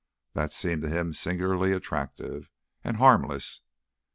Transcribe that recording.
That seemed to him singularly attractive and harmless.